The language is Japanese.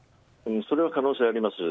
それは可能性はあります。